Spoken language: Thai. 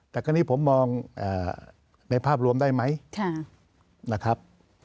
แต่คราวนี้ผมมองในภาพรวมได้ไหมนะครับ